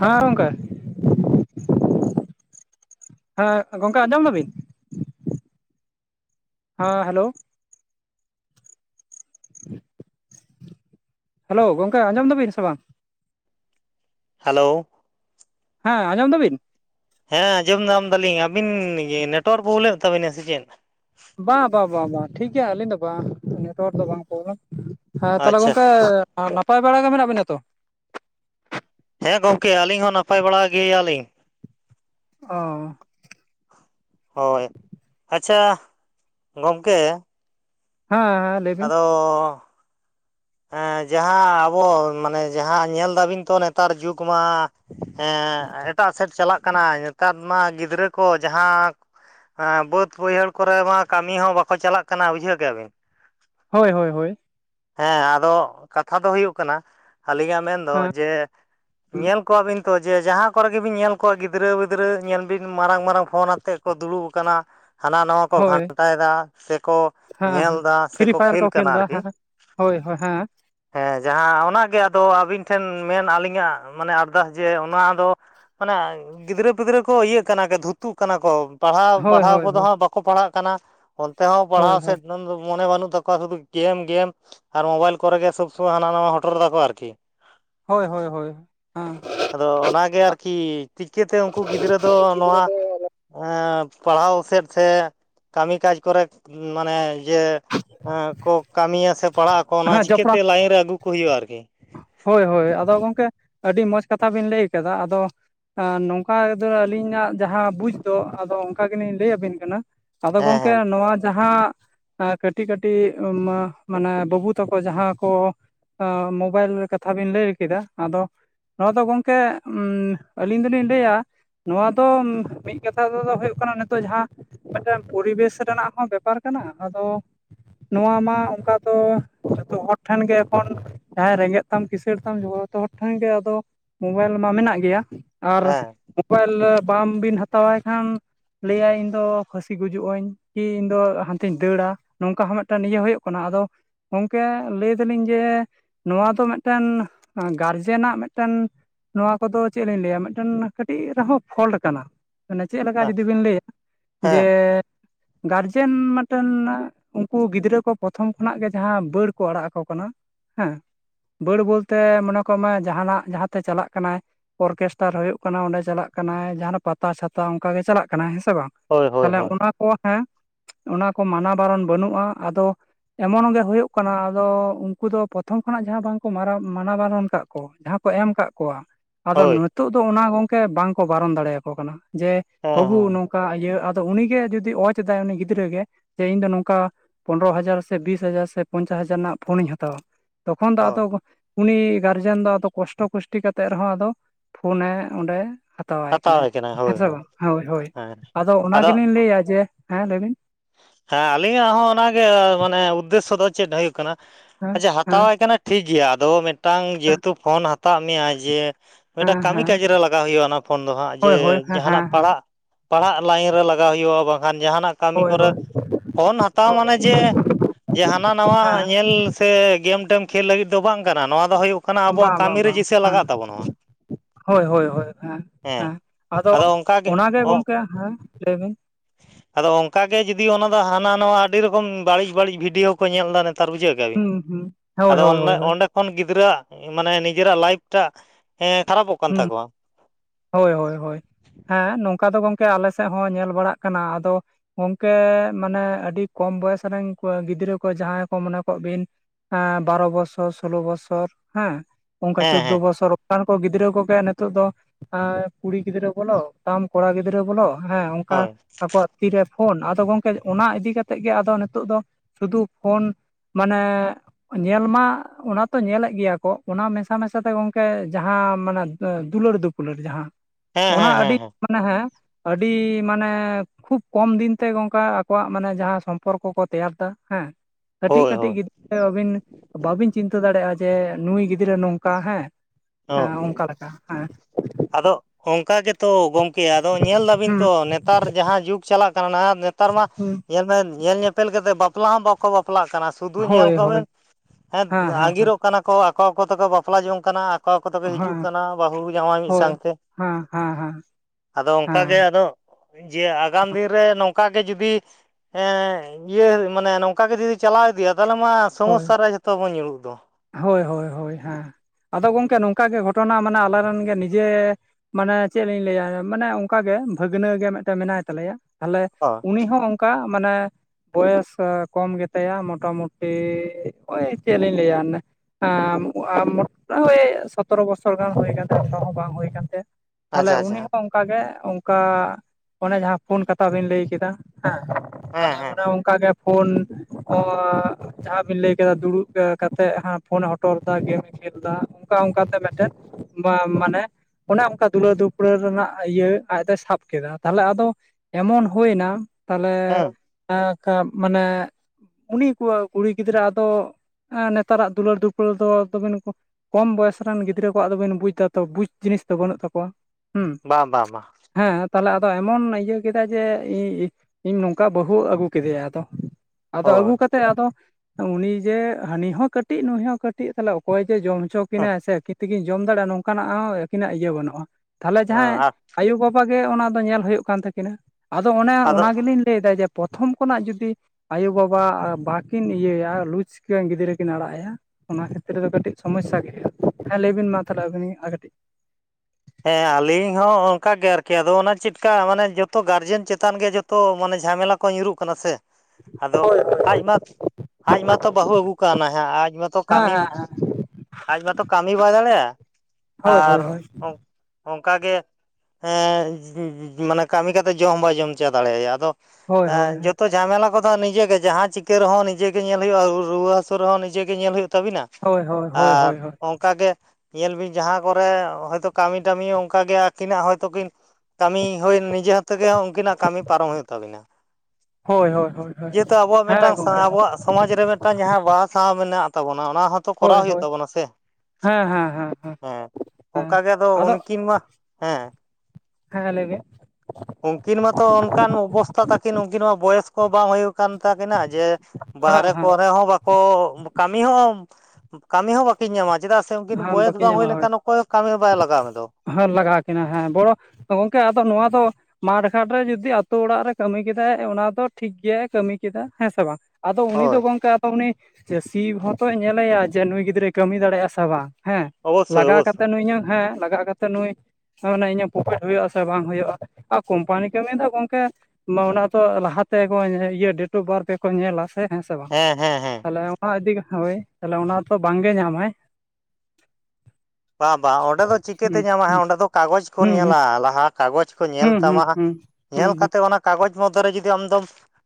ᱦᱮᱸ ᱜᱚᱝᱠᱮ, ᱦᱮᱸ ᱜᱚᱝᱠᱮ ᱟᱸᱡᱚᱢ ᱫᱟᱵᱤᱱ? ᱦᱮᱸ ᱦᱮᱞᱳ, ᱦᱮᱞᱳ, ᱜᱚᱝᱠᱮ ᱟᱸᱡᱚᱢ ᱫᱟᱵᱤᱱ ᱥᱮ ᱵᱟᱝ? ᱦᱮᱞᱳ ᱾ ᱦᱮᱸ ᱟᱸᱡᱚᱢ ᱮᱫᱟ ᱫᱟ ᱵᱤᱱ? ᱦᱮᱸ ᱟᱸᱡᱚᱢ ᱧᱟᱢ ᱮᱫᱟᱞᱤᱧ ᱟᱵᱤᱱ ᱱᱮᱴᱣᱟᱨᱠ ᱯᱨᱚᱵᱞᱮᱢ ᱮᱫ ᱛᱟᱵᱤᱱᱟ ᱥᱮ ᱪᱮᱫ? ᱵᱟᱝ ᱵᱟᱝ ᱵᱟᱝ ᱵᱟᱝ ᱴᱷᱤᱠ ᱜᱮᱭᱟ ᱟᱹᱞᱤᱧ ᱫᱚ ᱵᱟᱝ ᱱᱮᱴᱣᱟᱨᱠ ᱫᱚ ᱵᱟᱝ ᱯᱨᱚᱵᱞᱮᱢ ᱾ ᱦᱮᱸ ᱛᱟᱦᱞᱮ ᱟᱪᱪᱷᱟ ᱜᱚᱝᱠᱮ ᱱᱟᱯᱟᱭ ᱵᱟᱲᱟ ᱜᱮ ᱢᱮᱱᱟᱜ ᱵᱮᱱᱟ ᱛᱚ? ᱦᱮᱸ ᱜᱚᱝᱠᱮ ᱟᱹᱞᱤᱧ ᱦᱚᱸ ᱱᱟᱯᱟᱭ ᱵᱟᱲᱟ ᱜᱮᱭᱟᱞᱤᱧ ᱾ ᱚ ᱾ ᱦᱳᱭ [inaudible] ᱟᱪᱪᱷᱟ [inaudible] ᱜᱚᱢᱠᱮ ᱦᱮᱸ ᱦᱮᱸ ᱞᱟᱹᱭ ᱵᱤᱱ ᱟᱫᱚᱻ ᱦᱮᱸ ᱡᱟᱦᱟᱸ ᱟᱵᱚ ᱢᱟᱱᱮ ᱡᱟᱦᱟᱸ ᱧᱮᱞ ᱮᱫᱟᱵᱤᱱ ᱛᱚ ᱱᱮᱛᱟᱨ ᱡᱩᱜᱽ ᱢᱟ ᱦᱮᱸ ᱮᱴᱟᱜ ᱥᱮᱫ ᱪᱟᱞᱟᱜ ᱠᱟᱱᱟ ᱱᱮᱛᱟᱨ ᱢᱟ ᱜᱤᱫᱽᱨᱟᱹ ᱠᱚ ᱡᱟᱦᱟᱸ ᱦᱮᱸ ᱵᱟᱹᱫ ᱵᱟᱹᱭᱦᱟᱹᱲ ᱠᱚᱨᱮ ᱢᱟ ᱠᱟᱹᱢᱤ ᱦᱚᱸ ᱵᱟᱠᱚ ᱪᱟᱞᱟᱜ ᱠᱟᱱᱟ ᱵᱩᱡᱷᱟᱹᱣ ᱠᱮᱜ-ᱟᱵᱤᱱ ᱾ ᱦᱳᱭ ᱦᱳᱭ ᱦᱳᱭ ᱾ ᱦᱮᱸ ᱟᱫᱚ ᱠᱟᱛᱷᱟ ᱫᱚ ᱦᱩᱭᱩᱜ ᱠᱟᱱᱟ ᱟᱹᱞᱤᱧᱟᱜ ᱢᱮᱱ ᱫᱚ ᱦᱮᱸ ᱡᱮ [inaudible] ᱧᱮᱞ ᱠᱚᱣᱟ ᱵᱤᱱ ᱛᱚ ᱡᱮ ᱡᱟᱦᱟ ᱠᱚᱨᱮ ᱜᱮᱵᱤᱱ ᱧᱮᱞ ᱠᱚᱣᱟ ᱜᱤᱫᱽᱨᱟᱹ ᱯᱤᱫᱽᱨᱟᱹ ᱧᱮᱞ ᱵᱤᱱ ᱢᱟᱨᱟᱝ ᱢᱟᱨᱟᱝ ᱯᱷᱳᱱ ᱟᱛᱮ ᱠᱚ ᱫᱩᱲᱩᱵ ᱟᱠᱟᱱᱟ ᱾ ᱦᱟᱱᱟ ᱱᱟᱣᱟ ᱠᱚ ᱦᱳᱭ ᱜᱷᱟᱱᱴᱟᱭᱮᱫᱟ ᱥᱮ ᱠᱚ ᱦᱮᱸ ᱧᱮᱞ ᱦᱮᱸ ᱮᱫᱟ ᱥᱮ ᱯᱷᱨᱤ ᱠᱚ ᱯᱷᱟᱭᱟᱨ ᱠᱷᱮᱞ ᱠᱟᱱᱟ ᱫᱟ ᱟᱨᱠᱤ ᱾ ᱦᱮᱸ ᱦᱳᱭ ᱦᱳᱭ ᱦᱮᱸ ᱦᱮᱸ ᱡᱟᱦᱟᱸ ᱚᱱᱟᱜᱮ ᱟᱫᱚ ᱟᱹᱵᱤᱱ ᱴᱷᱮᱱ ᱢᱮᱱ ᱟᱹᱞᱤᱧᱟᱜ ᱢᱟᱱᱮ ᱟᱨᱫᱟᱥ ᱡᱮ ᱚᱱᱟ ᱫᱚ ᱢᱟᱱᱮ ᱜᱤᱫᱽᱨᱟᱹ ᱯᱤᱫᱽᱨᱟᱹ ᱠᱚ ᱤᱭᱟᱹᱜ ᱠᱟᱱᱟ ᱫᱷᱩᱛᱛᱩᱜ ᱠᱟᱱᱟ ᱠᱚ ᱾ ᱯᱟᱲᱦᱟᱣ ᱦᱳᱭ ᱯᱟᱲᱦᱟᱣ ᱦᱳᱭ ᱠᱚᱫᱚ ᱦᱳᱭ ᱦᱟᱸᱜ ᱵᱟᱠᱚ ᱯᱟᱲᱦᱟᱜ ᱠᱟᱱᱟ ᱚᱱᱛᱮ ᱦᱚᱸ ᱦᱳᱭ ᱯᱟᱲᱦᱟᱣ ᱦᱳᱭ ᱥᱮᱫ ᱫᱚ ᱢᱚᱱᱮ ᱵᱟᱹᱱᱩᱜ ᱛᱟᱠᱚᱣᱟ ᱥᱩᱫᱷᱩ ᱜᱮᱢ ᱜᱮᱢ ᱟᱨ ᱢᱳᱵᱟᱭᱤᱞ ᱠᱚᱨᱮ ᱜᱮ ᱥᱚᱵᱽ ᱥᱚᱢᱚᱭ ᱦᱟᱱᱟ ᱱᱟᱣᱟ ᱦᱚᱴᱚᱨ ᱮᱫᱟᱠᱚ ᱟᱨᱠᱤ ᱾ ᱦᱳᱭ ᱦᱳᱭ ᱦᱳᱭ ᱦᱮᱸ ᱾ ᱟᱫᱚ ᱚᱱᱟᱜᱮ ᱟᱨᱠᱤ ᱪᱤᱠᱟᱹᱛᱮ ᱩᱱᱠᱩ ᱜᱤᱫᱽᱨᱟᱹ ᱫᱚ ᱱᱚᱣᱟ ᱮᱻ ᱯᱟᱲᱦᱟᱣ ᱥᱮᱫ ᱥᱮ ᱠᱟᱹᱢᱤ ᱠᱟᱡᱽ ᱠᱚᱨᱮ ᱢᱟᱱᱮ ᱤᱭᱟᱹ ᱮᱸ ᱠᱚ ᱠᱟᱹᱢᱤᱭᱟ ᱥᱮ ᱯᱟᱲᱦᱟᱜ ᱟᱠᱚ ᱚᱱᱟ ᱦᱮᱸ ᱡᱚᱯᱲᱟᱣ ᱪᱤᱠᱟᱹᱛᱮ ᱞᱟᱭᱤᱱ ᱨᱮ ᱟᱹᱜᱩ ᱠᱚ ᱦᱩᱭᱩᱜ-ᱟ ᱟᱨᱠᱤ ᱾ ᱦᱳᱭ ᱦᱳᱭ ᱟᱫᱚ ᱜᱚᱢᱠᱮ ᱟᱹᱰᱤ ᱢᱚᱸᱡᱽ ᱠᱟᱛᱷᱟ ᱵᱤᱱ ᱞᱟᱹᱭ ᱠᱟᱫᱟ ᱾ ᱟᱫᱚ ᱱᱚᱝᱠᱟ ᱫᱚ ᱟᱞᱤᱧᱟᱜ ᱡᱟᱦᱟᱸ ᱵᱩᱡ ᱫᱚ ᱟᱫᱚ ᱚᱱᱠᱟ ᱜᱮᱞᱤᱧ ᱞᱟᱹᱭ ᱟᱵᱤᱱ ᱠᱟᱱᱟ ᱾ ᱟᱫᱚ ᱦᱮᱸ ᱜᱚᱢᱠᱮ ᱦᱮᱸ ᱱᱚᱣᱟ ᱡᱟᱦᱟᱸ ᱠᱟᱹᱴᱤᱡ ᱠᱟᱹᱴᱤᱡ ᱢᱟᱱᱮ ᱵᱟᱹᱵᱩ ᱛᱟᱠᱚ ᱡᱟᱦᱟᱸ ᱠᱚ ᱢᱳᱵᱟᱭᱤᱞ ᱠᱟᱛᱷᱟ ᱵᱤᱱ ᱞᱟᱹᱭ ᱠᱮᱫᱟ ᱟᱫᱚ ᱱᱚᱣᱟ ᱫᱚ ᱜᱚᱢᱠᱮ ᱟᱹᱞᱤᱧ ᱫᱚᱞᱤᱧ ᱞᱟᱹᱭᱟ ᱱᱚᱣᱟ ᱫᱚ ᱢᱤᱫ ᱠᱟᱛᱷᱟ ᱛᱮᱫᱚ ᱦᱩᱭᱩᱜ ᱠᱟᱱᱟ ᱱᱤᱛᱚᱜ ᱡᱟᱦᱟᱸ ᱢᱤᱫᱴᱮᱱ ᱯᱚᱨᱤᱵᱮᱥ ᱨᱮᱱᱟᱜ ᱦᱚᱸ ᱵᱮᱯᱟᱨ ᱠᱟᱱᱟ᱾ ᱟᱫᱚ ᱱᱚᱣᱟ ᱢᱟ ᱚᱱᱠᱟ ᱫᱚ ᱡᱚᱛᱚ ᱦᱚᱲ ᱴᱷᱮᱱ ᱜᱮ ᱮᱠᱷᱚᱱ ᱡᱟᱦᱟᱸᱭ ᱨᱮᱸᱜᱮᱡ ᱨᱮᱜᱮᱡ ᱛᱟᱢ ᱠᱤᱥᱟᱹᱬ ᱡᱚᱛᱚ ᱦᱚᱲ ᱴᱷᱮᱱ ᱜᱮ ᱟᱫᱚ ᱢᱳᱵᱟᱭᱤᱞ ᱢᱟ ᱢᱮᱱᱟᱜ ᱜᱮᱭᱟ ᱟᱨ ᱦᱮᱸ ᱢᱳᱵᱟᱭᱤᱞ ᱵᱟᱢᱵᱤᱱ ᱦᱟᱛᱟᱣᱟᱭ ᱠᱷᱟᱱ ᱞᱟᱹᱭᱟᱭ ᱤᱧᱫᱚ ᱯᱷᱟᱹᱥᱤ ᱜᱩᱡᱩᱜ ᱟᱹᱧ ᱠᱤ ᱤᱧ ᱫᱚ ᱦᱟᱱᱛᱮᱧ ᱫᱟᱹᱲᱟ ᱱᱚᱝᱠᱟ ᱦᱚᱸ ᱢᱤᱫᱴᱟᱱ ᱤᱭᱟᱹ ᱦᱩᱭᱩᱜ ᱠᱟᱱᱟ ᱾ ᱟᱫᱚ ᱜᱚᱝᱠᱮ ᱞᱟᱹᱭ ᱮᱫᱟᱞᱤᱧ ᱡᱮ ᱱᱚᱣᱟ ᱫᱚ ᱢᱤᱫ ᱴᱟᱱ ᱜᱟᱨᱡᱮᱱᱟᱜ ᱢᱤᱫᱴᱟᱱ ᱱᱚᱣᱟ ᱠᱚᱫᱚ ᱪᱮᱫ ᱞᱤᱧ ᱞᱟᱹᱭᱟ ᱢᱤᱫᱴᱮᱱ ᱠᱟᱹᱴᱤᱡ ᱨᱮᱦᱚᱸ ᱯᱷᱚᱞᱴ ᱠᱟᱱᱟ ᱾ ᱢᱟᱱᱮ ᱪᱮᱫ ᱞᱮᱠᱟ ᱦᱮᱸ ᱡᱩᱫᱤ ᱵᱤᱱ ᱞᱟᱹᱭᱟ ᱡᱮ ᱦᱮᱸ ᱜᱟᱨᱡᱮᱱ ᱢᱤᱫᱴᱮᱱ ᱩᱱᱠᱩ ᱜᱤᱫᱽᱨᱟᱹ ᱠᱚ ᱯᱨᱚᱛᱷᱚᱢ ᱠᱷᱚᱱᱟᱜ ᱜᱮ ᱡᱟᱦᱟᱸ ᱵᱟᱹᱲ ᱠᱚ ᱟᱲᱟᱜ ᱟᱠᱚ ᱠᱟᱱᱟ ᱦᱮᱸ ᱵᱟᱹᱲ ᱵᱚᱞᱛᱮ ᱢᱚᱱᱮ ᱠᱚᱜ ᱢᱮ ᱡᱟᱦᱟᱱᱟᱜ ᱡᱟᱦᱟᱸᱛᱮ ᱪᱟᱞᱟᱜ ᱠᱟᱱᱟᱭ ᱚᱨᱠᱮᱥᱴᱟᱨ ᱦᱩᱭᱩᱜ ᱠᱟᱱᱟ ᱚᱸᱰᱮ ᱪᱟᱞᱟᱜ ᱠᱟᱱᱟᱭ ᱡᱟᱦᱟᱸᱱᱟᱜ ᱯᱟᱛᱟ ᱪᱷᱟᱛᱟ ᱚᱱᱠᱟ ᱜᱮ ᱪᱟᱞᱟᱜ ᱠᱟᱱᱟᱭ ᱦᱮᱸ ᱥᱮ ᱵᱟᱝ ᱦᱳᱭ ᱾ ᱦᱳᱭ ᱛᱟᱞᱦᱮ ᱦᱳᱭ ᱚᱱᱟ ᱠᱚ ᱦᱮᱸ ᱚᱱᱟ ᱠᱚ ᱢᱟᱱᱟ ᱵᱟᱨᱚᱱ ᱵᱟᱹᱱᱩᱜᱼᱟ, ᱟᱫᱚ ᱮᱢᱚᱱᱚ ᱜᱮ ᱦᱳᱭᱳᱜ ᱠᱟᱱᱟ ᱟᱫᱚ ᱩᱱᱠᱩ ᱫᱚ ᱯᱨᱚᱛᱷᱚᱢ ᱠᱷᱚᱱᱟᱜ ᱡᱟᱦᱟᱸ ᱵᱟᱝ ᱢᱟᱨᱟᱢ ᱢᱟᱱᱟ ᱵᱟᱨᱚᱱ ᱠᱟᱜ ᱠᱚ ᱡᱟᱦᱟᱸ ᱠᱚ ᱮᱢ ᱠᱟᱜ ᱠᱚᱣᱟ ᱟᱫᱚ ᱦᱳᱭ ᱱᱤ ᱛᱳᱜ ᱫᱚ ᱚᱱᱟ ᱜᱚᱝᱠᱮ ᱵᱟᱝ ᱠᱚ ᱵᱟᱨᱚᱱ ᱫᱟᱲᱮᱭᱟᱠᱚ ᱠᱟᱱᱟ ᱡᱮ ᱦᱮᱸ ᱵᱟᱹᱵᱩ ᱦᱮᱸ ᱱᱩ ᱠᱟ ᱤᱭᱟᱹ ᱟᱫᱚ ᱩᱱᱤᱜᱮ ᱡᱩᱫᱤ ᱚᱡᱽ ᱮᱫᱟᱭ ᱩᱱᱤ ᱜᱤᱫᱽᱨᱟᱹ ᱜᱮ ᱡᱮ ᱤᱧ ᱫᱚ ᱱᱚᱝᱠᱟ ᱯᱚᱱᱨᱚ ᱦᱟᱡᱟᱨ ᱥᱮ ᱵᱤᱥ ᱦᱟᱡᱟᱨ ᱥᱮ ᱯᱚᱧᱪᱟᱥ ᱦᱟᱡᱟᱨ ᱨᱮᱱᱟᱜ ᱯᱷᱳᱱᱤᱧ ᱦᱟᱛᱟᱣᱟ ᱛᱚᱠᱷᱚᱱ ᱛᱚ ᱦᱳᱭ ᱜᱚ ᱩᱱᱤ ᱜᱟᱨᱡᱮᱱ ᱫᱚ ᱟᱫᱚ ᱠᱚᱥᱴᱚ ᱠᱚᱥᱴᱤ ᱠᱟᱛᱮᱜ ᱨᱮᱦᱚᱸ ᱟᱫᱚ ᱯᱷᱳᱱᱮ ᱚᱸᱰᱮ ᱦᱟ ᱛᱟᱣᱟᱭ ᱠᱟᱱᱟᱭ ᱦᱮᱸᱥᱮ ᱵᱟᱝ? ᱦᱳᱭ ᱦᱳᱭ ᱦᱮᱸ ᱟᱫᱚ ᱚᱱᱟ ᱜᱮᱞᱤᱧ ᱞᱟᱹᱭᱟ ᱡᱮ ᱦᱮᱸ ᱞᱟᱹᱭᱵᱤᱱ ᱾ ᱦᱮᱸ ᱟᱹᱞᱤᱧᱟᱜ ᱦᱚᱸ ᱚᱱᱟᱜᱮ ᱢᱟᱱᱮ ᱩᱫᱽᱫᱮᱥᱥᱚ ᱫᱚ ᱪᱮᱫ ᱦᱩᱭᱩᱜ ᱠᱟᱱᱟ ᱦᱮᱸ ᱟᱪᱷᱟ ᱦᱮᱸ ᱦᱟᱛᱟᱣᱟᱭ ᱠᱟᱱᱟᱭ ᱴᱷᱤᱠ ᱜᱮᱭᱟ ᱟᱫᱚ ᱢᱤᱫᱴᱟᱝ ᱦᱮᱸ ᱡᱮᱦᱮᱛᱩ ᱯᱷᱳᱱ ᱦᱟᱛᱟᱣᱟᱜ ᱢᱮᱭᱟᱭ ᱡᱮ ᱢᱤᱫᱴᱟᱝ ᱦᱮᱸ ᱠᱟᱹᱢᱤ ᱦᱮᱸ ᱠᱟᱡᱽ ᱨᱮ ᱞᱟᱜᱟᱣ ᱦᱩᱭᱩᱜᱼᱟ ᱚᱱᱟ ᱯᱷᱳᱱ ᱫᱚ ᱦᱟᱸᱜ ᱡᱮ ᱦᱳᱭ ᱦᱳᱭ ᱦᱮᱸ ᱦᱮᱸ ᱡᱟᱦᱟᱸᱱᱟᱜ ᱦᱮᱸ ᱯᱟᱲᱦᱟᱜ ᱯᱟᱲᱦᱟᱜ ᱞᱟᱭᱤᱱ ᱨᱮ ᱞᱟᱜᱟᱣ ᱦᱩᱭᱩᱜᱼᱟ ᱵᱟᱝᱠᱷᱟᱱ ᱡᱟᱦᱟᱸᱱᱟᱜ ᱠᱟ ᱦᱳᱭ ᱠᱚᱨᱮ ᱦᱳᱭ ᱯᱷᱳᱱ ᱦᱟᱛᱟᱣ ᱦᱳᱭ ᱢᱟᱱᱮ ᱡᱮ, ᱡᱮ ᱦᱟᱸᱱᱟ ᱱᱟᱣᱟ ᱦᱮᱸ ᱧᱮᱞ ᱥᱮ ᱜᱮᱢ-ᱴᱮᱢ ᱠᱷᱮᱞ ᱞᱟᱹᱜᱤᱫ ᱫᱚ ᱵᱟᱝ ᱠᱟᱱᱟ ᱱᱚᱣᱟ ᱫᱚ ᱦᱩᱭᱩᱜ ᱠᱟᱱᱟ ᱟᱵᱚᱣᱟᱜ ᱵᱟᱸ ᱵᱟᱸ ᱠᱟᱹᱢᱤᱨᱮ ᱵᱟᱸ ᱡᱮᱭᱥᱮ ᱦᱮᱸ ᱞᱟᱜᱟᱜ ᱛᱟᱵᱚᱱᱟ ᱾ ᱦᱳᱭ ᱦᱳᱭ ᱦᱳᱭ ᱦᱮᱸ ᱦᱮᱸ ᱟᱫᱚ ᱚᱱᱠᱟᱜᱮ ᱚᱱᱟ ᱜᱮ ᱚ ᱜᱚᱝᱠᱮ ᱦᱮᱸ ᱞᱟᱹᱭ ᱵᱤᱱ᱾ ᱟᱫᱚ ᱚᱝᱠᱟ ᱜᱮ ᱡᱩᱫᱤ ᱚᱱᱟ ᱫᱚ ᱦᱟᱸᱱᱟ ᱱᱟᱶᱟ ᱟᱹᱰᱤ ᱨᱚᱠᱚᱢ ᱵᱟᱹᱲᱤᱡ ᱵᱟᱹᱲᱤᱡ ᱵᱷᱤᱰᱭᱳ ᱠᱚ ᱧᱮᱞ ᱫᱟ ᱱᱮᱛᱟᱨ ᱵᱩᱡᱷᱟᱹᱣ ᱾ ᱠᱟᱜᱮ ᱦᱩᱸ ᱦᱩᱸ ᱦᱳᱭ ᱟᱫᱚ ᱦᱳᱭ ᱚᱱᱱᱮ ᱦᱳᱭ ᱦᱳᱭ. ᱚᱸᱰᱮ ᱠᱷᱚᱱ ᱜᱤᱫᱽᱨᱟᱹᱣᱟᱜ ᱢᱟᱱᱮ ᱱᱤᱡᱮᱨᱟᱜ ᱞᱟᱭᱤᱵᱷ ᱴᱟᱜ ᱮᱸ ᱠᱷᱟᱨᱟᱯᱚᱜ ᱠᱟᱱ ᱦᱩᱸ ᱛᱟᱠᱚᱣᱟ ᱦᱳᱭ ᱦᱳᱭ ᱦᱳᱭ ᱾ ᱦᱮᱸ ᱱᱚᱝᱠᱟ ᱫᱚ ᱜᱚᱝᱠᱮ ᱟᱞᱮ ᱥᱮᱫ ᱦᱚᱸ ᱧᱮᱞ ᱵᱟᱲᱟᱜ ᱠᱟᱱᱟ ᱟᱫᱚ ᱜᱚᱢᱠᱮ ᱢᱟᱱᱮ ᱟᱹᱰᱤ ᱠᱚᱢ ᱵᱚᱭᱮᱥ ᱨᱮᱱ ᱜᱤᱫᱽᱨᱟᱹ ᱠᱚ ᱡᱟᱦᱟᱸᱭ ᱠᱚ ᱢᱚᱱᱮ ᱠᱚᱜ ᱵᱤᱱ ᱮᱸ ᱵᱟᱨᱚ ᱵᱚᱥᱚᱨ ᱥᱳᱞᱳ ᱵᱚᱥᱚᱨ ᱦᱮᱸ ᱚᱱᱠᱟ ᱦᱮᱸ ᱪᱳᱫᱫᱳ ᱦᱮᱸ ᱵᱚᱥᱚᱨ ᱚᱱᱠᱟᱱ ᱠᱚ ᱜᱤᱫᱽᱨᱟᱹ ᱠᱚᱜᱮ ᱱᱤᱛᱚᱜ ᱫᱚ ᱮᱸ ᱠᱩᱲᱤ ᱜᱤᱫᱽᱨᱟᱹ ᱵᱚᱞᱚ ᱛᱟᱢ ᱠᱚᱲᱟ ᱜᱤᱫᱽᱨᱟᱹ ᱵᱚᱞᱚ ᱦᱮᱸ ᱚᱱᱠᱟ ᱦᱳᱭ ᱟᱠᱚᱣᱟᱜ ᱛᱤᱨᱮ ᱯᱷᱳᱱ ᱟᱫᱚ ᱜᱚᱝᱠᱮ ᱚᱱᱟ ᱤᱫᱤ ᱠᱟᱛᱮᱜ ᱜᱮ ᱟᱫᱚ ᱱᱤᱛᱚᱜ ᱫᱚ ᱥᱩᱫᱷᱩ ᱯᱷᱳᱱ ᱢᱟᱱᱮ ᱧᱮᱞ ᱢᱟ ᱚᱱᱟ ᱛᱚ ᱧᱮᱞᱮᱜ ᱜᱮᱭᱟ ᱠᱚ ᱚᱱᱟ ᱢᱮᱥᱟ ᱢᱮᱥᱟ ᱛᱮ ᱜᱚᱝᱠᱮ ᱡᱟᱦᱟᱸ ᱢᱟᱱᱮ ᱫᱩᱞᱟᱹᱲ-ᱫᱩᱯᱞᱟᱹᱲ ᱡᱟᱦᱟᱸ ᱦᱮᱸ ᱚᱱᱟ ᱦᱮᱸ ᱟᱹᱰᱤ ᱦᱮᱸ ᱢᱟᱱᱮ ᱦᱮᱸ ᱟᱹᱰᱤ ᱢᱟᱱᱮ ᱠᱷᱩᱵ ᱠᱚᱢ ᱫᱤᱱ ᱛᱮ ᱜᱚᱝᱠᱟ ᱟᱠᱚᱣᱟᱜ ᱢᱟᱱᱮ ᱡᱟᱦᱟᱸ ᱥᱚᱢᱯᱚᱨ ᱠᱚᱠᱚ ᱛᱮᱭᱟᱨ ᱫᱟ ᱦᱮᱸ ᱠᱟᱹᱴᱤᱡ ᱦᱳᱭ ᱠᱟᱹᱴᱤᱡ ᱦᱳᱭ ᱜᱤᱫᱽᱨᱟᱹ ᱟᱹᱵᱤᱱ ᱵᱟᱹᱵᱤᱱ ᱪᱤᱱᱛᱟᱹ ᱫᱟᱲᱮᱭᱟᱜᱼᱟ, ᱡᱮ ᱱᱩᱭ ᱜᱤᱫᱽᱨᱟᱹ ᱱᱚᱝᱠᱟ ᱦᱮᱸ ᱦᱳᱭ ᱦᱮᱸ ᱚᱱᱠᱟ ᱦᱮᱸ ᱟᱫᱚ ᱚᱝᱠᱟ ᱜᱮᱛᱚ ᱜᱚᱝᱠᱮ ᱟᱫᱚ ᱧᱮᱞ ᱫᱟᱵᱤᱱ ᱦᱩᱸ ᱛᱚ ᱱᱮ ᱛᱟᱨ ᱡᱟᱦᱟᱸ ᱡᱩᱜᱽ ᱪᱟᱞᱟᱜ ᱠᱟᱱᱟ ᱱᱟᱣᱟ ᱱᱮᱛᱟᱨ ᱢᱟ ᱦᱩᱸ ᱧᱮᱞ ᱵᱮᱱ ᱧᱮᱞ ᱧᱮᱯᱮᱞ ᱠᱟᱛᱮᱫ ᱵᱟᱯᱞᱟ ᱦᱚᱸ ᱵᱟᱠᱚ ᱵᱟᱯᱞᱟᱜ ᱠᱟᱱᱟ ᱾ ᱥᱩᱫᱷᱩ ᱧᱮᱞ ᱦᱳᱭ ᱦᱳᱭ ᱠᱚᱵᱮᱱ ᱦᱮᱫᱽ ᱦᱮᱸ ᱦᱮᱸ ᱦᱮᱸ ᱟᱜᱤᱨᱚᱜ ᱠᱟᱱᱟ ᱠᱚ ᱟᱠᱚ ᱟᱠᱚ ᱛᱮᱠᱚ ᱵᱟᱯᱞᱟ ᱡᱚᱝ ᱠᱟᱱᱟ, ᱟᱠᱚ ᱛᱚ ᱯᱮ ᱦᱤᱡᱩᱜ ᱦᱮᱸ ᱠᱟᱱᱟ ᱵᱟᱹᱦᱩ ᱡᱟᱶᱟᱭ ᱢᱤᱫ ᱦᱳᱭ ᱥᱟᱝᱛᱮ, ᱦᱮᱸ ᱦᱮᱸ ᱦᱮᱸ ᱟᱫᱚ ᱚᱱᱠᱟ ᱦᱮᱸ ᱜᱮ ᱟᱫᱚ ᱡᱮ ᱟᱜᱟᱢ ᱫᱤᱱ ᱨᱮ ᱱᱚᱝᱠᱟ ᱜᱮ ᱡᱩᱫᱤ ᱮᱸ ᱤᱭᱟᱹ ᱢᱟᱱᱮ ᱱᱚᱝᱠᱟ ᱜᱮ ᱡᱩᱫᱤ ᱪᱟᱞᱟᱣ ᱤᱫᱤᱭᱟ ᱛᱟᱞᱦᱮ ᱢᱟ ᱦᱳᱭ ᱥᱚᱢᱚᱥᱥᱟ ᱨᱮ ᱡᱷᱚᱛᱚ ᱵᱚᱱ ᱧᱩᱨᱩᱜ ᱫᱚ ᱾ ᱦᱳᱭ ᱦᱳᱭ ᱦᱳᱭ ᱦᱮᱸ ᱟᱫᱚ ᱜᱚᱝᱠᱮ ᱱᱚᱝᱠᱟ ᱜᱮ ᱜᱷᱚᱴᱚᱱᱟ ᱢᱟᱱᱮ ᱟᱞᱮ ᱨᱮᱱ ᱜᱮ ᱱᱤᱡᱮ ᱢᱟᱱᱮ ᱪᱮᱫ ᱞᱤᱧ ᱞᱟᱹᱭᱟ ᱢᱟᱱᱮ ᱚᱱᱠᱟᱜᱮ ᱵᱷᱟᱹᱜᱽᱱᱟᱹ ᱜᱮ ᱢᱤᱫᱴᱮᱱ ᱢᱮᱱᱟᱭ ᱛᱟᱞᱮᱭᱟ, ᱛᱟᱦᱚᱞᱮ ᱚ᱾ ᱩᱱᱤ ᱦᱚᱸ ᱚᱝᱠᱟ ᱢᱟᱱᱮ ᱵᱚᱭᱨᱥ ᱠᱚᱢ ᱜᱮᱛᱟᱭᱟ ᱢᱚᱴᱟ ᱢᱩᱩᱴᱤ ᱳᱭ ᱪᱮᱫ ᱞᱤᱧ ᱞᱟᱹᱭᱟ ᱚᱱᱮ ᱮᱸ ᱟᱢ ᱳᱭ ᱥᱚᱛᱨᱚ ᱵᱚᱥᱚᱨ ᱜᱟᱱ ᱦᱩᱭ ᱠᱟᱱ ᱛᱟᱭᱟ ᱟᱴᱷᱚᱨᱚ ᱢᱟ ᱵᱟᱝ ᱦᱩᱭ ᱠᱟᱱ ᱛᱟᱭᱟ ᱛᱟᱦᱚᱞᱮ ᱟᱪᱪᱷᱟ ᱟᱪᱪᱷᱟ ᱩᱱᱤ ᱦᱚᱸ ᱚᱱᱠᱟᱜ ᱜᱮ, ᱚᱱᱠᱟ ᱚᱱᱮ ᱡᱟᱦᱟᱸ ᱯᱷᱳᱱ ᱠᱟᱛᱷᱟ ᱵᱤᱱ ᱞᱟᱹᱭ ᱠᱮᱫᱟ ᱦᱮᱸ, [unintelligible] ᱦᱮᱸ ᱛᱟᱦᱚᱞᱮ ᱦᱮᱸ ᱚᱱᱮ ᱚᱱᱠᱟᱜᱮ ᱯᱷᱳᱱ ᱠᱚ, ᱡᱟᱦᱟᱸ ᱵᱮᱤᱱ ᱞᱟᱹᱭ ᱠᱮᱫᱟ ᱫᱩᱲᱩᱵ ᱠᱟᱛᱮᱫ ᱯᱷᱳᱱᱮ ᱦᱚᱴᱚᱨ ᱮᱫᱟ ᱜᱮᱢᱮ ᱠᱷᱮᱞ ᱮᱫᱟ, ᱚᱱᱠᱟ ᱚᱱᱠᱟᱛᱮ ᱢᱤᱫᱴᱮᱱ ᱢᱟᱱᱮ ᱚᱱᱮ ᱚᱱᱠᱟ ᱫᱩᱞᱟᱹᱲᱼᱫᱩᱯᱞᱟᱹᱲ ᱨᱮᱱᱟᱜ ᱤᱭᱟᱹ ᱟᱡ ᱫᱚᱭ ᱥᱟᱵ ᱠᱮᱫᱟ, ᱛᱟᱦᱚᱞᱮ ᱟᱫᱚ ᱮᱢᱚᱱ ᱦᱩᱭ ᱮᱱᱟ, ᱛᱟᱦᱚᱞᱮ ᱦᱮᱸ ᱢᱟᱱᱮ ᱩᱱᱤ ᱠᱚ ᱠᱩᱲᱤ ᱜᱤᱫᱽᱨᱟᱹ ᱟᱫᱚ, ᱱᱮᱛᱟᱨᱟᱜ ᱫᱚ ᱫᱩᱞᱟᱹᱲ ᱫᱩᱯᱟᱞᱟᱹᱲ ᱨᱮ ᱫᱚ [unintelligible] ᱠᱚᱢ ᱵᱚᱭᱮᱥ ᱨᱮᱱ ᱜᱤᱫᱽᱨᱟᱹ ᱠᱚᱣᱟᱜ ᱫᱚ ᱵᱟᱱ ᱵᱩᱡᱽ ᱮᱫᱟ ᱛᱚ ᱵᱩᱡᱽ ᱡᱤᱱᱤᱥ ᱫᱚ ᱵᱟᱹᱱᱩᱜ ᱛᱟᱠᱚᱣᱟ᱾ ᱦᱩᱸ ᱵᱟᱝ ᱵᱟᱝ ᱵᱟᱝ, ᱦᱮᱸ ᱛᱟᱦᱚᱞᱮ ᱟᱫᱚ ᱮᱢᱚᱱ ᱤᱭᱟᱹ ᱠᱮᱫᱟ ᱡᱮ ᱤ ᱤ, ᱤᱧ ᱱᱚᱝᱠᱟ ᱵᱟᱹᱦᱩ ᱟᱹᱜᱩ ᱠᱮᱫᱮᱭᱟ, ᱟᱫᱚ ᱟᱫᱚ ᱦᱳᱭ ᱟᱹᱜᱩ ᱠᱟᱛᱮᱜ ᱟᱫᱚ ᱩᱱᱤ ᱡᱮ ᱦᱟᱹᱱᱤ ᱦᱚᱸ ᱠᱟᱹᱴᱤᱡ ᱱᱩᱭ ᱦᱚᱸ ᱠᱟᱹᱴᱤᱡ ᱛᱟᱦᱮ, ᱚᱠᱚᱭ ᱡᱮ ᱡᱚᱢ ᱦᱚᱪᱚ ᱠᱤᱱᱟᱹ ᱥᱮ ᱟᱹᱠᱤᱱ ᱛᱮᱠᱤᱱ ᱡᱚᱢ ᱫᱟᱲᱮᱭᱟᱜᱼᱟ, ᱱᱚᱝᱠᱟᱱᱟᱜ ᱦᱚᱸ ᱟᱹᱠᱤᱱᱟᱜ ᱤᱭᱟᱹ ᱵᱟᱹᱱᱩᱜᱼᱟ᱾ ᱛᱟᱦᱚᱞᱮ ᱦᱮᱸ ᱡᱟᱦᱟᱸᱭ ᱟᱭᱳᱼ ᱵᱟᱵᱟ ᱜᱮ ᱚᱱᱟ ᱫᱚ ᱧᱮᱞ ᱦᱩᱭᱩᱜ ᱠᱟᱱ ᱛᱟᱹᱠᱤᱱᱟ ᱟᱫᱚ ᱚᱱᱮ ᱟᱫᱚ ᱚᱱᱟ ᱜᱮ ᱞᱤᱧ, ᱞᱟᱹᱭᱮᱫᱟᱭ ᱡᱮ ᱯᱨᱚᱛᱷᱚᱢ ᱠᱷᱚᱱᱟᱜ ᱡᱩᱫᱤ, ᱟᱭᱳᱼᱵᱟᱵᱟ ᱵᱟᱹᱠᱤᱱ ᱤᱭᱟᱹᱭᱟ ᱞᱩᱡᱽ ᱜᱤᱫᱽᱨᱟᱹ ᱠᱤᱱ ᱟᱲᱟᱜ, ᱚᱱᱟ ᱠᱷᱮᱛᱨᱮ ᱨᱮ ᱫᱚ ᱠᱟᱹᱴᱤᱡ ᱥᱚᱢᱚᱥᱟ ᱜᱮ ᱦᱩᱭᱩᱜᱼᱟ᱾ ᱦᱮᱸ ᱞᱟᱹᱭ ᱵᱤᱱ ᱢᱟ ᱛᱟᱦᱚᱞᱮ ᱟᱵᱤᱱ ᱟᱨ ᱠᱟᱹᱴᱤᱡ, ᱦᱮᱸ ᱟᱹᱞᱤᱧ ᱦᱚᱸ ᱚᱱᱠᱟᱜ ᱜᱮ ᱟᱨᱠᱤ ᱟᱫᱚ ᱚᱱᱟ ᱪᱮᱫᱠᱟ ᱢᱟᱱᱮ ᱡᱚᱛᱚ ᱜᱟᱨᱡᱮᱱ ᱪᱮᱛᱟᱱ ᱜᱮᱼᱼ ᱛᱚ ᱢᱟᱱᱮ ᱡᱷᱟᱢᱮᱞᱟ ᱠᱚ ᱧᱩᱨᱩᱜ ᱠᱟᱱᱟ ᱥᱮ, ᱟᱫᱚ ᱦᱳᱭ ᱟᱡᱢᱟ ᱟᱡ ᱢᱟᱛᱚ ᱵᱟᱦᱩ ᱟᱹᱜᱩ ᱠᱟᱣᱱᱟᱭ ᱦᱟᱸᱜ, ᱟᱡᱢᱟᱛᱚ ᱦᱮᱸ ᱠᱟᱹᱢᱤ ᱦᱮᱸ ᱦᱮᱸ ᱟᱡ ᱢᱟᱛᱚ ᱠᱟᱢᱤ ᱵᱟᱭ ᱫᱟᱲᱮᱭᱟᱜᱼᱟ, ᱦᱳᱭ ᱟᱨ ᱦᱳᱭ ᱦᱳᱭ ᱚᱱᱠᱟᱟᱜ ᱜᱮ ᱦᱮᱸ ᱢᱟᱱᱮ ᱠᱟᱹᱢᱤ ᱠᱟᱛᱮᱜ ᱡᱚᱢ ᱵᱟᱭ ᱡᱚᱢ ᱦᱚᱪᱟ ᱫᱟᱲᱮᱭᱟᱭᱟ ᱟᱫᱚᱼ, ᱼ [unintelligible] ᱦᱳᱭ ᱦᱳᱭ ᱟᱨ ᱡᱚᱛᱚ ᱛᱚ ᱡᱷᱟᱢᱮᱞᱟ ᱠᱚᱫᱚ ᱱᱤᱡᱮᱜ ᱜᱮ ᱡᱟᱦᱟᱸ ᱪᱤᱠᱟᱹ ᱨᱮᱦᱚᱸ ᱱᱤᱡᱮᱜᱮ ᱜᱮ ᱧᱮᱞ ᱦᱩᱭᱩᱜᱼᱟ ᱨᱩᱣᱟᱹ ᱦᱟᱹᱥᱩ ᱨᱮᱦᱚᱸ ᱱᱤᱡᱮᱜᱮ ᱜᱮ ᱧᱮᱞ ᱦᱩᱭᱩᱜ ᱛᱟᱵᱤᱱᱟ᱾ ᱦᱳᱭ ᱦᱳᱭ ᱦᱳᱭ ᱟᱨ ᱦᱳᱭ ᱦᱳᱭ ᱚᱱᱠᱟ ᱜᱮ ᱧᱮᱞ ᱵᱤᱱ ᱡᱟᱦᱟᱸ ᱠᱚᱨᱮ, ᱦᱳᱭᱛᱳᱼᱼ ᱠᱟᱢᱤ ᱴᱟᱢᱤ ᱚᱱᱠᱟᱜ ᱜᱮ ᱟᱹᱠᱤᱱᱟᱜ ᱦᱚᱭᱛᱚᱠᱤᱱ ᱠᱟᱹᱢᱤ ᱦᱩᱭ ᱱᱤᱡᱮᱛᱮᱜᱮ ᱩᱱᱠᱤᱱᱟᱜ ᱠᱟᱹᱢᱤ ᱯᱟᱨᱚᱢ ᱦᱩᱭᱩᱜ ᱛᱟᱹᱵᱤᱱᱟ᱾ ᱦᱳᱭ ᱦᱳᱭ ᱦᱳᱭ ᱦᱳᱭ [unintelligible] ᱦᱳᱭ ᱦᱳᱭ ᱦᱳᱭ ᱡᱮᱦᱮᱛᱩ ᱟᱵᱚᱣᱟᱜ ᱦᱳᱭ ᱢᱤᱫᱴᱟᱝ ᱜᱚᱢᱠᱮ ᱟᱵᱚᱣᱟᱜᱼᱼ ᱥᱚᱢᱟᱡᱽ ᱨᱮ ᱢᱤᱫᱴᱟᱝ ᱡᱟᱦᱟᱸ ᱵᱟᱦᱟ ᱥᱟᱦᱟᱶ ᱢᱮᱱᱟᱜ ᱛᱟᱵᱚᱱᱟ ᱚᱱᱟ ᱦᱚᱸ, ᱛᱚ ᱠᱚᱨᱟᱣ ᱦᱳᱭ ᱦᱳᱭ ᱦᱩᱭᱩᱜ ᱛᱟᱵᱚᱱᱟ ᱥᱮ, ᱦᱮᱸ ᱚᱱᱠᱟ ᱜᱮ ᱟᱫᱚ ᱩᱱᱠᱤᱱ ᱢᱟ, ᱦᱮᱸ [unintelligible] ᱦᱮᱸ ᱦᱮᱸ ᱞᱟᱹᱭ ᱵᱤᱱ? ᱩᱱᱠᱤᱱ ᱢᱟᱛᱚ ᱚᱱᱠᱟᱱ ᱚᱵᱚᱥᱛᱟ ᱛᱟᱹᱠᱤᱱ, ᱩᱱᱠᱤᱱ ᱢᱟ ᱵᱚᱭᱚᱥ ᱠᱚ ᱵᱟᱝ ᱦᱩᱭᱩᱜᱼᱼ ᱠᱟᱱ ᱛᱟᱹᱠᱤᱱᱟ ᱡᱮ ᱦᱮᱸ ᱵᱟᱨᱮ ᱦᱮᱸ ᱠᱚᱨᱮ ᱦᱚᱸ ᱵᱟᱼᱼ ᱠᱚ, ᱠᱟᱹᱢᱤ ᱦᱚᱸ, ᱠᱟᱹᱢᱤ ᱦᱚᱸ ᱵᱟᱹᱠᱤᱱ ᱧᱟᱢᱟ, ᱪᱮᱫᱟᱜ ᱥᱮ ᱥᱮᱢ ᱠᱤᱱ ᱦᱮᱸ ᱵᱚᱭᱮᱥ ᱵᱟᱹᱠᱤᱱ ᱵᱟᱝ ᱦᱩᱭ ᱞᱮᱱᱠᱷᱟᱱ ᱚᱠᱚᱭ ᱠᱟᱹᱢᱤ ᱵᱟᱭ ᱞᱟᱜᱟᱣ ᱢᱮ ᱫᱚ᱾ ᱦᱟ ᱞᱟᱜᱟᱣ ᱠᱤᱱᱟ ᱦᱮ, ᱸ ᱵᱚᱲᱚ ᱜᱚᱝᱠᱮ ᱟᱫᱚ ᱱᱚᱣᱟ ᱫᱚ ᱢᱟᱴ ᱜᱷᱟᱴ ᱨᱮ ᱡᱩᱫᱤ ᱟᱛᱳ ᱚᱲᱟᱜ ᱨᱮ ᱠᱟᱹᱢᱤ ᱠᱮᱫᱟᱭ ᱚᱱᱟ ᱫᱚ ᱴᱷᱤᱠ ᱜᱮ ᱠᱟᱹᱢᱤ ᱠᱮᱫᱟ ᱦᱮᱸ ᱥᱮ ᱵᱟᱝ? ᱟᱫᱚ ᱩᱱᱤ ᱫᱚ ᱦᱳᱭ ᱜᱚᱝᱠᱮ ᱟ ᱩᱱᱤ ᱪᱟᱹ ᱥᱤ ᱦᱚᱛᱚᱭ ᱧᱮᱞᱮᱭᱟ ᱡᱮ ᱱᱩᱭ ᱜᱤᱫᱽᱨᱟᱹᱭ ᱠᱟᱹᱢᱤ ᱫᱟᱲᱮᱭᱟᱜᱼᱟ ᱥᱮ ᱵᱟᱝ᱾ ᱦᱮᱸ ᱚᱵᱚᱥᱥᱳᱭ ᱞᱟᱜᱟᱣ ᱠᱟᱛᱮ ᱚᱵᱚᱥᱥᱳᱭ ᱱᱩᱭᱧᱝ ᱦᱮᱸ ᱞᱟᱜᱟᱣ ᱠᱟᱛᱮ, ᱱᱩᱭ ᱢᱟᱱᱮ ᱤᱧᱟᱹᱜ ᱯᱨᱚᱯᱷᱤᱴ ᱦᱩᱭᱩᱜ ᱟᱥ ᱥᱮ ᱵᱟᱝ ᱦᱩᱭᱩᱜᱼᱟ᱾ ᱟᱨ ᱠᱳᱢᱯᱟᱱᱤ ᱠᱚ ᱢᱮᱱᱫᱟ ᱜᱚᱝᱠᱮ ᱚᱱᱟ ᱛᱚ ᱞᱟᱦᱟᱛᱮᱠᱚ ᱤᱭᱟᱹ ᱰᱮᱴ ᱚᱯᱷ ᱵᱟᱨᱛ ᱛᱮᱠᱚ ᱧᱮᱞᱟ ᱥᱮ ᱦᱳᱭ ᱦᱮᱸ ᱥᱮ ᱵᱟᱝ, ᱦᱮᱸ ᱦᱮᱸ ᱛᱟᱦᱚᱞᱮ ᱚᱱᱟ ᱤᱫᱤ ᱦᱳᱭ ᱛᱟᱦᱚᱞᱮ ᱚᱱᱟ ᱛᱚ ᱵᱟᱝᱜᱮ ᱧᱟᱢᱟᱭ ᱵᱟᱝ ᱵᱟᱝ ᱚᱸᱰᱮ ᱫᱚ ᱪᱤᱠᱟᱹᱛᱮ ᱦᱩᱸ ᱧᱟᱢᱟ ᱦᱩᱸ ᱚᱸᱰᱮ ᱫᱚ ᱠᱟᱜᱚᱡᱽ ᱠᱚ ᱦᱩᱸ ᱦᱩᱸ ᱧᱮᱞᱟ ᱞᱟᱦᱟ ᱠᱟᱜᱚᱡᱽ ᱠᱚ ᱧᱮᱞ ᱦᱩᱸ ᱛᱟᱢᱟ ᱦᱩᱸ ᱦᱩᱸ ᱧᱮᱞ ᱦᱩᱸ ᱠᱟᱛᱮᱫ ᱚᱱᱟ ᱠᱟᱜᱚᱡᱽ ᱢᱚᱫᱽᱫᱷᱮ ᱨᱮ ᱡᱩᱫᱤ ᱟᱢᱫᱚᱢ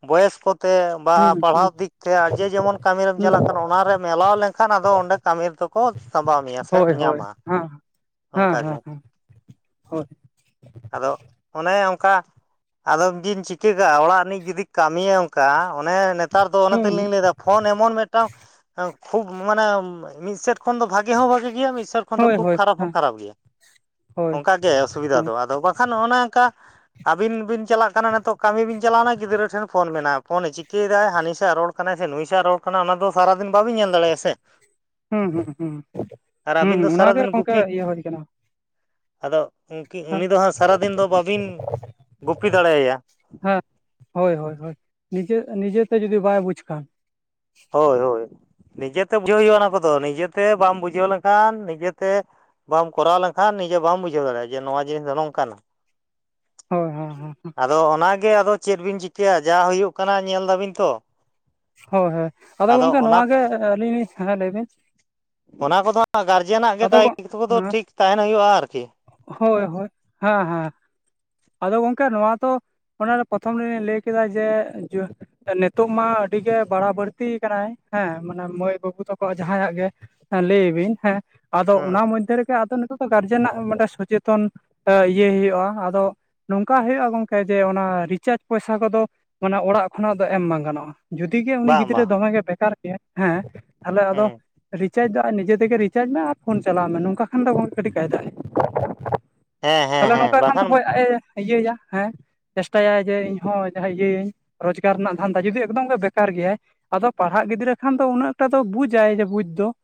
ᱵᱚᱭᱚᱥ ᱠᱚᱛᱮ ᱵᱟ ᱦᱩᱸ ᱦᱩᱸ ᱯᱟᱲᱦᱟᱣ ᱦᱩᱸ ᱫᱤᱠ ᱛᱮ ᱟᱨ ᱡᱮ ᱡᱮᱢᱚᱱ ᱠᱟᱹᱢᱤ ᱨᱮᱢ ᱪᱟᱞᱟᱜ ᱦᱩᱸ ᱠᱟᱱᱟ ᱚᱱᱟ ᱨᱮᱢ ᱮᱞᱟᱣ ᱞᱮᱱᱠᱷᱟᱱ ᱟᱫᱚ ᱚᱸᱰᱮ ᱠᱟᱹᱢᱤ ᱨᱮ ᱫᱚ ᱠᱚ ᱥᱟᱸᱵᱟᱣ ᱢᱮᱭᱟ ᱥᱮ ᱦᱳᱭ ᱦᱳᱭ ᱧᱟᱢᱟ ᱦᱮᱸ ᱦᱮᱸ ᱚᱱᱠᱟ ᱜᱮ ᱦᱮᱸ ᱦᱳᱭ ᱾ ᱟᱫᱚ ᱚᱱᱮ ᱚᱝᱠᱟ ᱟᱫᱚᱢ ᱵᱤᱱ ᱪᱤᱠᱟᱹ ᱠᱟᱜᱼᱟ ᱚᱲᱟᱜ ᱨᱤᱱᱤᱡ ᱡᱩᱫᱤ ᱠᱟᱹᱢᱤᱭᱟ ᱚᱝ ᱠᱟ ᱚᱱᱮ ᱱᱮᱛᱟᱨ ᱫᱚ ᱚᱱᱟ ᱦᱩᱸ ᱛᱮᱞᱤᱝ ᱞᱟᱹᱭᱮᱫᱟ ᱯᱷᱳᱱ ᱮᱢᱚᱱ ᱢᱤᱫᱴᱟᱝ ᱠᱷᱩᱵ ᱢᱟᱱᱮ ᱢᱤᱫ ᱥᱮᱫ ᱠᱷᱚᱱ ᱫᱚ ᱵᱷᱟᱜᱮ ᱦᱚᱸ ᱵᱷᱟᱜᱮ ᱜᱮᱭᱟ, ᱢᱤᱫ ᱥᱮᱫ ᱠᱷᱚᱱ ᱫᱚ ᱦᱳᱭ ᱠᱷᱩᱵ ᱦᱳᱭ ᱠᱷᱟᱨᱟᱯ ᱦᱚᱸ ᱦᱮᱸ ᱠᱷᱟᱨᱟᱯ ᱜᱮᱭᱟ ᱾ ᱦᱳᱭ ᱚᱝᱠᱟ ᱜᱮ ᱚᱥᱩᱵᱤᱫᱟ ᱦᱮᱸ ᱫᱚ ᱟᱫᱚ ᱵᱟᱠᱷᱟᱱ ᱚᱱᱮ ᱚᱝᱠᱟ ᱟᱹᱵᱤᱱ ᱵᱤᱱ ᱪᱟᱞᱟᱜ ᱠᱟᱱᱟ ᱱᱤᱛᱳᱜ ᱠᱟᱹᱢᱤ ᱵᱤᱱ ᱪᱟᱞᱟᱣᱱᱟ ᱜᱤᱫᱽᱨᱟᱹ ᱴᱷᱮᱱ ᱯᱷᱳᱱ ᱢᱮᱱᱟᱜᱼᱟ ᱾ ᱯᱷᱳᱱ ᱮ ᱪᱤᱠᱟᱹᱭ ᱫᱟᱭ ᱦᱟᱹᱱᱤ ᱥᱟᱜ ᱨᱚᱲ ᱠᱟᱱᱟᱭ ᱥᱮ ᱱᱩᱭ ᱥᱟᱭ ᱨᱚᱲ ᱠᱟᱱᱟ ᱚᱱᱟ ᱫᱚ ᱥᱟᱨᱟᱫᱤᱱ ᱵᱟᱵᱤᱱ ᱧᱮᱞ ᱫᱟᱲᱮᱭᱟᱭᱟ ᱥᱮ ᱾ ᱦᱩᱸ ᱦᱩᱸ ᱦᱩᱸ ᱟᱹᱵᱤᱱ ᱦᱩᱸ ᱫᱚ ᱚᱱᱟᱜᱮ ᱥᱟᱨᱟᱫᱤᱱ ᱜᱚᱝᱠᱮ ᱜᱩᱯᱤ ᱤᱭᱟᱹ ᱦᱩᱭ ᱠᱟᱱᱟ ᱾ ᱟᱫᱚ ᱩᱝᱠᱤ ᱩᱱᱤ ᱫᱚ ᱦᱟᱸᱜ ᱥᱟᱨᱟᱫᱤᱱ ᱫᱚ ᱵᱟᱹᱵᱤᱱ ᱜᱩᱯᱤ ᱫᱟᱲᱮᱭᱟᱭᱟ ᱾ ᱦᱮᱸ ᱦᱳᱭ ᱦᱳᱭ ᱦᱳᱭ ᱱᱤᱡᱮ ᱱᱤᱡᱮᱛᱮ ᱡᱩᱫᱤ ᱵᱟᱭ ᱵᱩᱡᱽ ᱠᱷᱟᱱ ᱾ ᱦᱳᱭ ᱦᱳᱭ ᱱᱤᱡᱮᱛᱮ ᱵᱩᱡᱷᱟᱹᱣ ᱦᱩᱭᱩᱜᱼᱟ ᱚᱱᱟ ᱠᱚᱫᱚ ᱱᱤᱡᱮᱛᱮ ᱵᱟᱢ ᱵᱩᱡᱷᱟᱹᱣ ᱞᱮᱝᱠᱷᱟᱱ ᱱᱤᱡᱮᱛᱮ ᱵᱟᱢ ᱠᱚᱨᱟᱣ ᱞᱮᱝᱠᱷᱟᱱ ᱱᱤᱡᱮ ᱵᱟᱢ ᱵᱩᱡᱷᱟᱹᱣ ᱫᱟᱲᱮᱭᱟᱜᱼᱟ ᱡᱮ ᱱᱚᱣᱟ ᱡᱤᱱᱤᱥ ᱫᱚ ᱱᱚᱝᱠᱟᱱᱟ ᱾ ᱦᱳᱭ ᱦᱮᱸ ᱦᱮᱸ ᱦᱮᱸ ᱾ ᱟᱫᱚ ᱚᱱᱟᱜᱮ ᱟᱫᱚ ᱪᱮᱫ ᱵᱤᱱ ᱪᱤᱠᱟᱹᱭᱟ ᱡᱟ ᱦᱩᱭᱩᱜ ᱠᱟᱱᱟ ᱧᱮᱞ ᱫᱟᱵᱤᱱ ᱛᱚ ᱾ ᱦᱳᱭ ᱦᱳᱭ ᱟᱫᱚ ᱜᱚᱝᱠᱮ ᱱᱚᱣᱟ ᱚᱱᱟ ᱜᱮ ᱟᱹᱞᱤᱧ ᱞᱤᱧ ᱦᱮᱸ ᱞᱟᱹᱭ ᱵᱤᱱ ᱾ ᱚᱱᱟ ᱠᱚᱫᱚ ᱦᱟᱜ ᱜᱟᱨᱡᱮᱱᱟᱜ ᱜᱮ ᱫᱟᱭᱤᱛᱛᱚ ᱠᱚᱫᱚ ᱦᱮᱸ ᱴᱷᱤᱠ ᱛᱟᱦᱮᱱ ᱦᱩᱭᱩᱜᱼᱟ ᱟᱨᱠᱤ ᱾ ᱦᱳᱭ ᱦᱳᱭ ᱦᱮᱸ ᱦᱮᱸ ᱟᱫᱚ ᱜᱚᱝᱠᱮ ᱱᱚᱣᱟ ᱛᱚ ᱚᱱᱟ ᱫᱚ ᱯᱨᱚᱛᱷᱚᱢ ᱨᱮᱞᱤᱧ ᱞᱟᱹᱭ ᱠᱮᱫᱟ ᱡᱮ ᱡᱚ ᱱᱤᱛᱚᱜ ᱢᱟ ᱟᱹᱰᱤ ᱜᱮ ᱵᱟᱲᱟ ᱵᱟᱹᱲᱛᱤ ᱠᱟᱱᱟᱭ ᱦᱮᱸ ᱢᱟᱱᱮ ᱢᱟᱹᱭ ᱵᱟᱹᱵᱩ ᱛᱟᱠᱚ ᱡᱟᱦᱟᱸᱭᱟᱜ ᱜᱮ ᱦᱮᱸ ᱞᱟᱹᱭ ᱵᱤᱱ ᱦᱮᱸ ᱟᱫᱚ ᱚᱱᱟ ᱦᱩᱸ ᱢᱚᱫᱽᱫᱷᱮ ᱨᱮᱜᱮ ᱟᱫᱚ ᱱᱤᱛᱚᱜ ᱜᱟᱨᱡᱮᱱᱟᱜ ᱢᱤᱫᱴᱟᱝ ᱥᱚᱪᱮᱛᱚᱱ ᱮ ᱤᱭᱟᱹᱭ ᱦᱩᱭᱩᱜᱼᱟ ᱟᱫᱚ ᱱᱚᱝᱠᱟ ᱦᱩᱭᱩᱜᱼᱟ ᱜᱚᱝᱠᱮ ᱡᱮ ᱚᱱᱟ ᱨᱤᱪᱟᱨᱡᱽ ᱯᱚᱭᱥᱟ ᱠᱚᱫᱚ ᱢᱟᱱᱮ ᱚᱲᱟᱜ ᱠᱷᱚᱱᱟᱜ ᱫᱚ ᱮᱢ ᱵᱟᱝ ᱜᱟᱱᱚᱜᱼᱟ ᱾ ᱡᱩᱫᱤ ᱜᱮ ᱩᱱᱤ ᱵᱟᱝ ᱜᱤᱫᱽᱨᱟᱹ ᱵᱟᱝ ᱫᱚᱢᱮᱜᱮ ᱵᱮᱠᱟᱨ ᱜᱮᱭᱟ ᱦᱮᱸ ᱛᱟᱦᱚᱞᱮ ᱟᱫᱚ ᱦᱩᱸ ᱨᱤᱪᱟᱨᱡᱽ ᱫᱚ ᱟᱡ ᱱᱤᱡᱮ ᱛᱮᱜᱮ ᱨᱤᱪᱟᱨᱡᱽ ᱢᱮ ᱟᱨ ᱯᱷᱳᱱ ᱪᱟᱞᱟᱣ ᱢᱮ ᱱᱚᱝᱠᱟ ᱠᱷᱟᱱ ᱫᱚ ᱠᱟᱹᱴᱤᱡ ᱠᱟᱭ ᱫᱟᱜ ᱟᱭ ᱾ ᱦᱮᱸ ᱦᱮᱸ ᱛᱟᱦᱚᱞᱮ ᱱᱚᱝᱠᱟ ᱦᱮᱸ ᱠᱷᱟᱱ ᱫᱚ ᱵᱟᱠᱷᱟᱱ ᱦᱚᱭ ᱟᱡ ᱤᱭᱟᱹᱭᱟ ᱦᱮᱸ ᱪᱮᱥᱴᱟᱭᱟᱭ ᱡᱮ ᱤᱧᱦᱚ ᱡᱟᱦᱟᱸ ᱤᱭᱟᱹᱭᱟᱹᱧ ᱨᱳᱡᱽᱜᱟᱨ ᱨᱮᱱᱟᱜ ᱫᱷᱟᱱᱫᱟ ᱡᱩᱫᱤ ᱮᱠᱫᱚᱢ ᱜᱮ ᱵᱮᱠᱟᱨ ᱜᱮᱭᱟᱭ ᱟᱫᱚ ᱯᱟᱲᱦᱟᱜ ᱜᱤᱫᱽᱨᱟᱹ ᱠᱷᱟᱱ ᱫᱚ ᱩᱱᱟᱹᱜ ᱮᱠᱴᱟ ᱫᱚ ᱵᱩᱡᱟᱭ ᱡᱮ ᱵᱩᱡ ᱫᱚ ᱾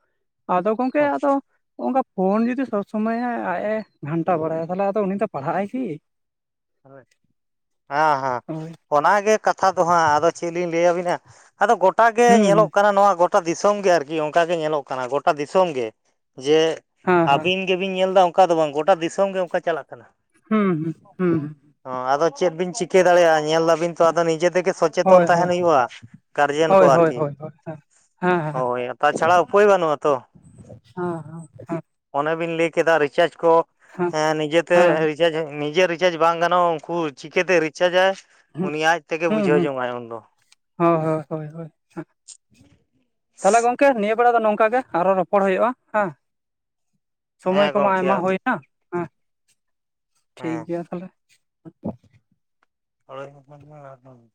ᱟᱫᱚ ᱜᱚᱝᱠᱮ ᱟᱫᱚ ᱦᱚᱜᱼᱚᱝᱠᱟ ᱯᱷᱳᱱ ᱡᱩᱫᱤ ᱥᱚᱵᱽ ᱥᱚᱢᱚᱭ ᱮ ᱟᱡ ᱮ ᱜᱷᱟᱱᱴᱟ ᱵᱟᱲᱟᱭᱟ ᱛᱟᱦᱚᱞᱮ ᱟᱫᱚ ᱩᱱᱤ ᱫᱚ ᱯᱟᱲᱦᱟᱜ ᱟᱭ ᱠᱤ! ᱦᱮᱸ ᱦᱮᱸ ᱦᱳᱭ ᱚᱱᱟᱜᱮ ᱠᱟᱛᱷᱟ ᱫᱚ ᱦᱟᱸᱜ ᱟᱫᱚ ᱪᱮᱫ ᱞᱤᱧ ᱞᱟᱹᱭ ᱟᱹᱵᱤᱱᱟ ᱾ ᱟᱫᱚ ᱜᱚᱴᱟᱜ ᱜᱮ ᱦᱩᱸ ᱧᱮᱞᱚᱜ ᱠᱟᱱᱟ ᱱᱚᱣᱟ ᱜᱚ ᱴᱟ ᱫᱤᱥᱚᱢ ᱜᱮ ᱟᱨᱠᱤ ᱚᱝᱠᱟ ᱜᱮ ᱧᱮᱞᱚᱜ ᱠᱟᱱᱟ ᱜᱚᱴᱟ ᱫᱤᱥᱚᱢ ᱜᱮ ᱡᱮ ᱦᱩᱸ ᱦᱮᱸ ᱦᱮᱸ ᱟᱹᱵᱤᱱ ᱜᱮᱵᱤᱱ ᱧᱮᱞ ᱮᱫᱟ ᱚᱝᱠᱟ ᱫᱚ ᱵᱟᱝ ᱜᱚᱴᱟ ᱫᱤᱥᱚᱢ ᱜᱮ ᱚᱝᱠᱟ ᱪᱟᱞᱟᱜ ᱠᱟᱱᱟ ᱾ ᱦᱩᱸ ᱦᱩᱸ ᱦᱩᱸ ᱦᱩᱸ ᱾ ᱦᱚᱸ ᱟᱫᱚ ᱪᱮᱫ ᱵᱤᱱ ᱪᱤᱠᱟᱹ ᱫᱟᱲᱮᱭᱟᱜᱼᱟ ᱧᱮᱞ ᱫᱟᱵᱤᱱ ᱛᱚ ᱟᱫᱚ ᱱᱤᱡᱮ ᱛᱮᱜᱮ ᱥᱚ ᱪᱮᱛᱚᱱ ᱦᱳᱭ ᱛᱟᱦᱮᱱ ᱦᱳᱭ ᱦᱩᱭᱩᱜᱼᱟ ᱜᱟᱨᱡᱮᱱ ᱠᱚ ᱦᱳᱭ ᱦᱳᱭ ᱟᱨᱠᱤ ᱾ ᱦᱳᱭ ᱦᱳᱭ ᱦᱮᱸ ᱦᱮᱸ ᱦᱮᱸ ᱦᱳᱭ ᱛᱟᱪᱷᱟᱲᱟ ᱩᱯᱟᱹᱭ ᱵᱟᱹᱱᱩᱜᱼᱟ ᱛᱚ ᱾ ᱦᱮᱸ ᱦᱮᱸ ᱦᱮᱸ ᱾ ᱚᱱᱮ ᱵᱤᱱ ᱞᱮᱭ ᱠᱮᱫᱟ ᱨᱤᱪᱟᱨᱡ ᱠᱚᱸ ᱦᱮᱸ ᱦᱮᱸ ᱦᱮᱸ ᱮ ᱱᱤᱡᱮᱛᱮ ᱱᱤᱡᱮ ᱨᱤᱪᱟᱨᱡ ᱵᱟᱝ ᱜᱟᱱᱚᱜᱼᱟ ᱩᱝᱠᱩ ᱪᱤᱠᱟᱹᱛᱮ ᱨᱤᱪᱟᱨᱡᱟᱭ? ᱦᱩᱸ ᱩᱱᱤ ᱟᱡ ᱛᱮᱜᱮ ᱦᱩᱸ ᱵᱩᱡᱷᱟᱹᱣ ᱦᱩᱸ ᱡᱚᱝᱟᱭ ᱩᱱᱫᱚ ᱦᱳᱭ ᱦᱳᱭ ᱦᱳᱭ ᱦᱳᱭ ᱾ ᱛᱟᱦᱞᱮ ᱜᱚᱝᱠᱮ ᱱᱤᱭᱟᱹ ᱵᱮᱲᱟ ᱫᱚ ᱱᱚᱝᱠᱟᱜ ᱜᱮ ᱟᱨᱦᱚᱸ ᱨᱚᱯᱚᱲ ᱦᱩᱭᱩᱜᱼᱟ ᱦᱮᱸ᱾ ᱥᱚᱢᱚᱭ ᱦᱮᱸ ᱠᱚᱢᱟ ᱜᱚᱢᱠᱮ ᱟᱭᱢᱟ ᱦᱩᱭᱱᱟ ᱦᱮᱸ, ᱦᱮᱸ ᱴᱷᱤᱠᱜᱮᱭᱟ ᱛᱟᱞᱦᱮ᱾ [inaudible] [inaudible]